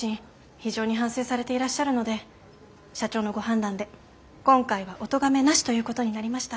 非常に反省されていらっしゃるので社長のご判断で今回はおとがめなしということになりました。